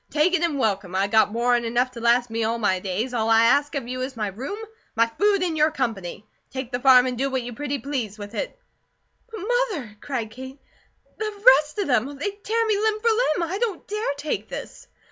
Take it an' welcome. I got more 'an enough to last me all my days; all I ask of you is my room, my food, and your company. Take the farm, and do what you pretty please with it." "But, Mother!" cried Kate. "The rest of them! They'd tear me limb for limb. I don't DARE take this."